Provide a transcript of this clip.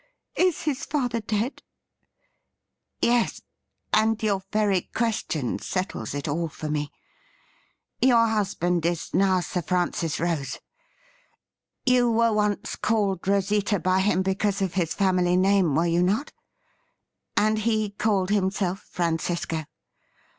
Is his father dead T ' Yes, and your very question settles it all for me. Your husband is now Sir Francis Rose. You were once called Rosita by him because of his family name, were you not .'' and he called himself Francisco.